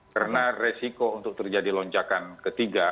karena resiko untuk terjadi lonjakan ketiga